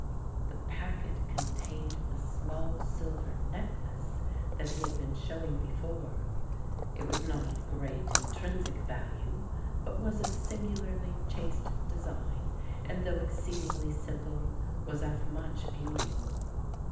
The packet contained the small silver necklace that he had been showing before. It was not of great intrinsic value, but was of singularly chaste design and though exceedingly simple was of much beauty.